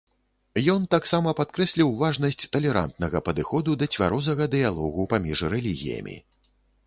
Ён таксама падкрэсліў важнасць талерантнага падыходу да цвярозага дыялогу паміж рэлігіямі.